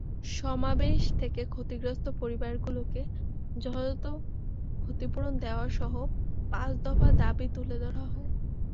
সমাবেশ থেকে ক্ষতিগ্রস্ত পরিবারগুলোকে যথাযথ ক্ষতিপূরণ দেওয়াসহ পাঁচ দফা দাবি তুলে ধরা হয়।